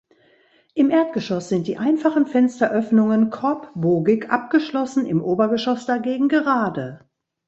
Im Erdgeschoss sind die einfachen Fensteröffnungen korbbogig abgeschlossen, im Obergeschoss dagegen gerade.